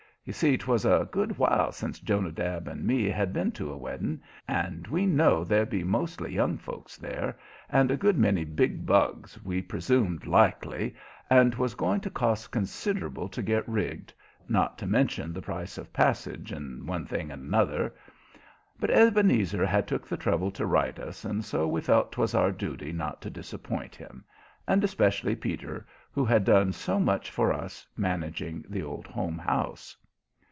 You see, 'twas a good while sence Jonadab and me had been to a wedding, and we know there'd be mostly young folks there and a good many big bugs, we presumed likely, and 'twas going to cost consider'ble to get rigged not to mention the price of passage, and one thing a' 'nother. But Ebenezer had took the trouble to write us, and so we felt 'twas our duty not to disappoint him, and especially Peter, who had done so much for us, managing the Old Home House.